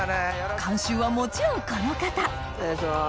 監修はもちろんこの方